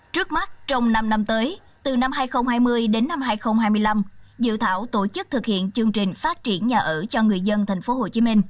trước mắt trong năm năm tới từ năm hai nghìn hai mươi đến năm hai nghìn hai mươi năm dự thảo tổ chức thực hiện chương trình phát triển nhà ở cho người dân tp hcm